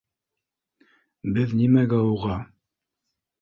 Беҙ нимәгә уға?